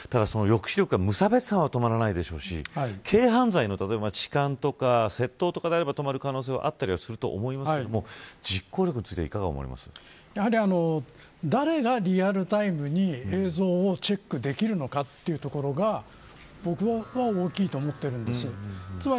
ただ無差別犯は止まらないでしょうし軽犯罪の痴漢とか窃盗であれば止まる可能性はあると思いますが実行力についてやはり、誰がリアルタイムに映像をチェックできるのかというところが僕は大きいと思っているんです。